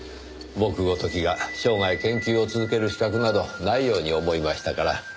僕ごときが生涯研究を続ける資格などないように思いましたから。